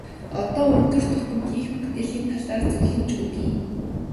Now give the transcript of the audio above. Одоо өдөр тутам хийх бүтээлийн талаар зөвлөмж өгье.